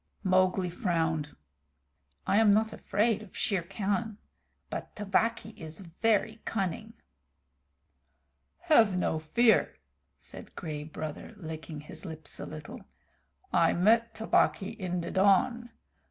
Mowgli frowned. "I am not afraid of Shere Khan, but Tabaqui is very cunning." "Have no fear," said Gray Brother, licking his lips a little. "I met Tabaqui in the dawn.